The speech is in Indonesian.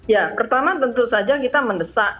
ya pertama tentu saja kita mendesak